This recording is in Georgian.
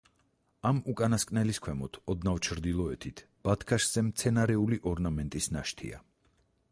ამ უკანასკნელის ქვემოთ, ოდნავ ჩრდილოეთით, ბათქაშზე მცენარეული ორნამენტის ნაშთია.